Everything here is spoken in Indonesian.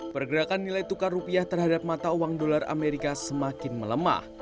pergerakan nilai tukar rupiah terhadap mata uang dolar amerika semakin melemah